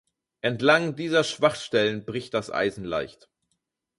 Entlang dieser Schwachstellen bricht das Eisen leicht.